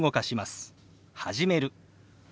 「始める」。